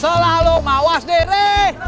selalu mawas diri